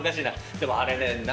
でもあれね。